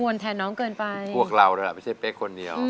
จำทันเลยคือพวกเราป่อยไม่ใช่แป๊กคนเดียว